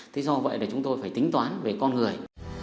thế do vậy là chúng tôi phải tính toán về con người